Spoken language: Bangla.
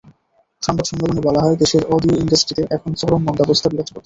সংবাদ সম্মেলনে বলা হয়, দেশের অডিও ইন্ডাস্ট্রিতে এখন চরম মন্দাবস্থা বিরাজ করছে।